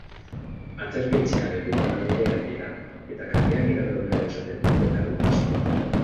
Aterpetxeak beteta daude gainera, eta kalean igaro behar izaten dute gaua askok.